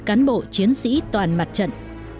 cán bộ chiến sĩ toàn mặt trận